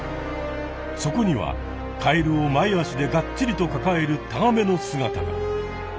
そこにはカエルを前あしでガッチリとかかえるタガメの姿が。